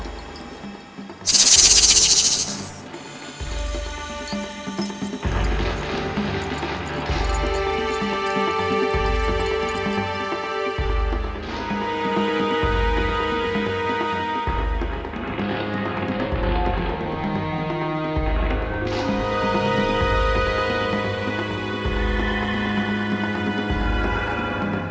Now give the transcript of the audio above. aku sudah mencari tau